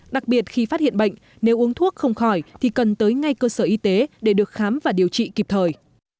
đặc biệt khi phát hiện bệnh nếu uống thuốc không khỏi thì cần tới ngay cơ sở y tế để được khám và điều trị kịp thời